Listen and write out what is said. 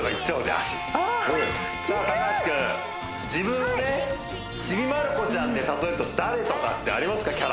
「ちびまる子ちゃん」で例えると誰とかってありますか？